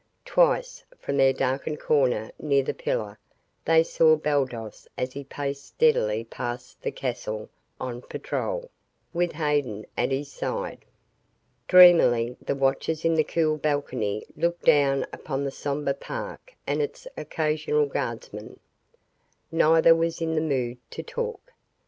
Twice, from their darkened corner near the pillar, they saw Baldos as he paced steadily past the castle on patrol, with Haddan at his side. Dreamily the watchers in the cool balcony looked down upon the somber park and its occasional guardsman. Neither was in the mood to talk.